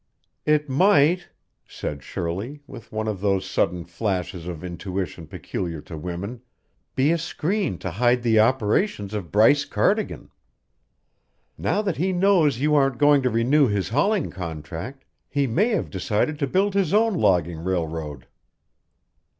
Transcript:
"It might," said Shirley, with one of those sudden flashes of intuition peculiar to women, "be a screen to hide the operations of Bryce Cardigan. Now that he knows you aren't going to renew his hauling contract, he may have decided to build his own logging railroad."